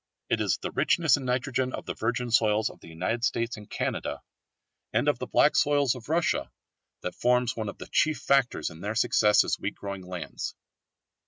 It is the richness in nitrogen of the virgin soils of the Western States and Canada, and of the black soils of Russia, that forms one of the chief factors in their success as wheat growing lands.